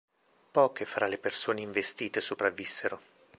Poche fra le persone investite sopravvissero.